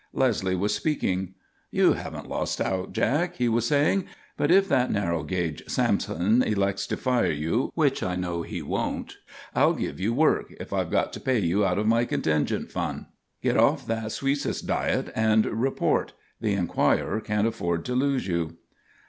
Leslie was speaking. "You haven't lost out, Jack," he was saying. "But if that narrow gauge Sampson elects to fire you which I know he won't I'll give you work if I've got to pay you out of my contingent fund. Get off that suisses diet and report. The Enquirer can't afford to lose you."